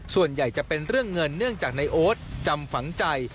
ส่วนใหญ่จะเป็นเรื่องเงินเนื่องจากในโอ๊ตจำฝังใจ